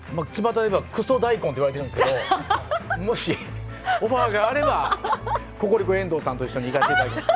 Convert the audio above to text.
クソ大根っていわれているんですがもしオファーがあればココリコ遠藤さんとともに行かせていただきます。